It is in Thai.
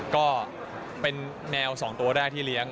ก็เป็นแมว๒ตัวแรกที่เลี้ยง